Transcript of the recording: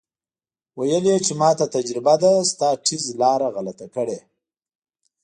ویل یې چې ماته تجربه ده ستا ټیز لاره غلطه کړې.